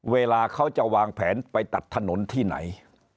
เวลาเขาจะวางแผนไปตัดถนนที่ไหน